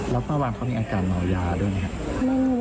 แล้วแม่วันเขามีอาการเหมายาเหรอ